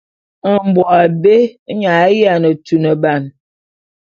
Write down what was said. Mbo abé nye a yiane tuneban.